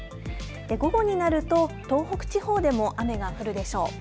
午後になると東北地方でも雨が降るでしょう。